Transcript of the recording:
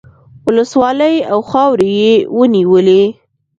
ولسوالۍ او خاورې یې ونیولې.